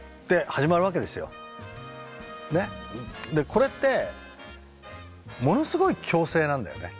これってものすごい強制なんだよね。